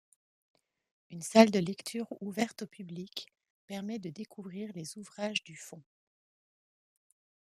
Une salle de lecture ouverte au public permet de découvrir les ouvrages du fonds.